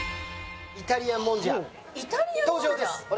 イタリアンもんじゃ登場ですおっ！